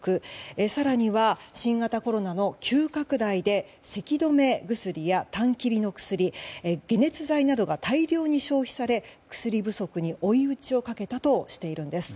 更には、新型コロナの急拡大でせき止め薬やたん切りの薬解熱剤などが大量に消費され薬不足に追い打ちをかけたとしているんです。